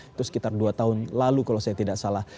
itu sekitar dua tahun lalu kalau saya tidak salah